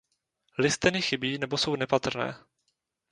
Listeny chybí nebo jsou nepatrné.